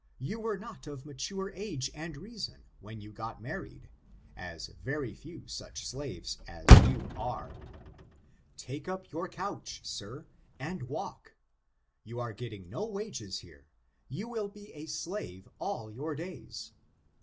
You were not of mature age and reason when you got married, as very few such slaves as you are. Take up your couch, sir, and walk. You are getting no wages here : you will be a slave all your days.